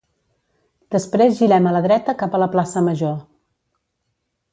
després girem a la dreta cap a la Plaça Major